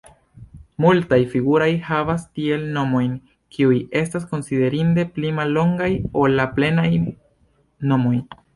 Multaj figuraj havas tiel nomojn, kiuj estas konsiderinde pli mallongaj ol la plenaj nomoj.